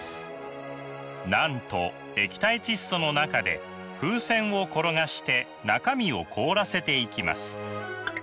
なんと液体窒素の中で風船を転がして中身を凍らせていきます。